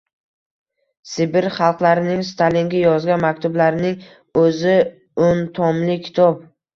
Sibir xalqlarining Stalinga yozgan maktublarining o’zi o’n tomli kitob bo’lgan.